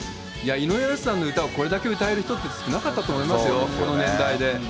井上陽水さんの歌を、これだけ歌える人って少なかったと思いますよ、この年代で。